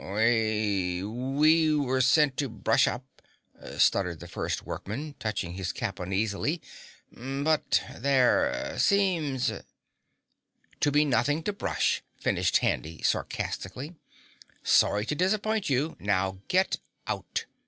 "We we were sent to brush up!" stuttered the first workman, touching his cap uneasily. "But there seems " "To be nothing to brush!" finished Handy sarcastically. "Sorry to disappoint you. Now get OUT!"